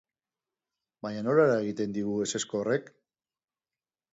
Baina nola eragiten digu ezezko horrek?